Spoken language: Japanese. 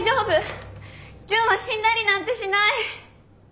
純は死んだりなんてしない！